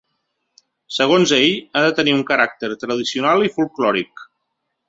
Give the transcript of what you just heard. Segons ells, ha de tenir un caràcter ‘tradicional i folkòric’.